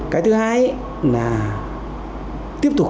cái thứ hai là tiếp tục